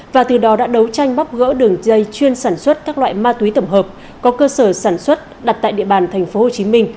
và từ đó đã đấu tranh bóc gỡ đường dây chuyên sản xuất các loại ma túy tổng hợp có cơ sở sản xuất đặt tại địa bàn tp hcm